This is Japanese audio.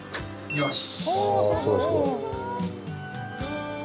よし。